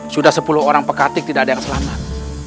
sudah sepuluh orang pekatik tidak ada yang selamat